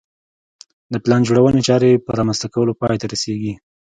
د پلان جوړونې چارې په رامنځته کولو پای ته رسېږي